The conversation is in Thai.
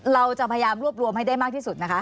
เราจะพยายามรวบรวมให้ได้มากที่สุดนะคะ